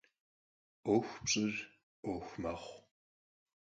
'Uexu pş'ır 'Uexu mexhu.